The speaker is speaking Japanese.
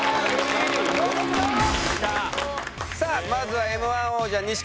さあまずはＭ−１王者錦鯉。